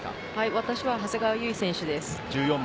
私は長谷川唯選手です。